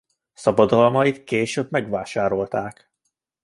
Szabadalmait később megvásárolták.